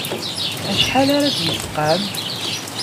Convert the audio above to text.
Acḥal ara d-yesqam?